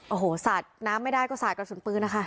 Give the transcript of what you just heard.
โอ้โหสาดน้ำไม่ได้ก็สาดกระสุนปืนนะคะ